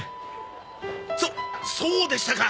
そそうでしたか！